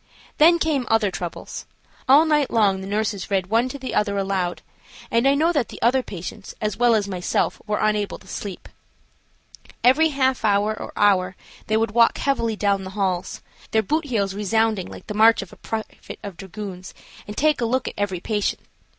Then came other troubles. All night long the nurses read one to the other aloud, and I know that the other patients, as well as myself, were unable to sleep. Every half hour or hour they would walk heavily down the halls, their boot heels resounding like the march of a private of dragoons, and take a look at every patient.